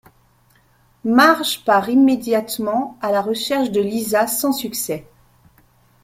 Marge part immédiatement à la recherche de Lisa sans succès.